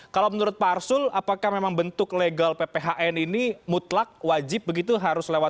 kalau menurut pak arsul apakah memang bentuk legal pphn ini mutlak wajib begitu harus lewat